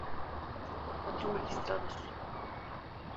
Está compuesta por cuatro magistrados.